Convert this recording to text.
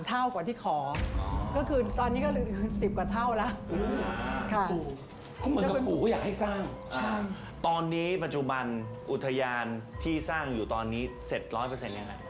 รูปนี้ปัจจุบันอุทยานที่สร้างอยู่ตอนนี้เสร็จร้อยเปอร์เซ็นต์อย่างไร